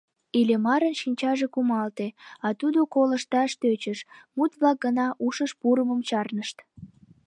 Иллимарын шинчаже кумалте, а тудо колышташ тӧчыш, мут-влак гына ушыш пурымым чарнышт.